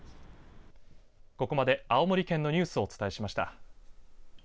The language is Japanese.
ここまで青森県のニュースをお伝えしました。